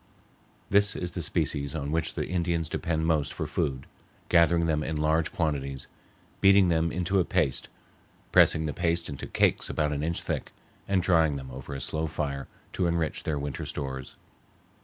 This is the species on which the Indians depend most for food, gathering them in large quantities, beating them into a paste, pressing the paste into cakes about an inch thick, and drying them over a slow fire to enrich their winter stores.